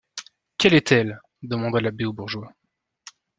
Quelle est-elle? demanda l’abbé au bourgeoys.